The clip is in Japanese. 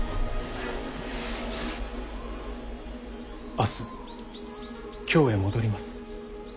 明日京へ戻ります。